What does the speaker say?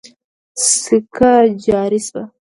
سکه جاري شوه.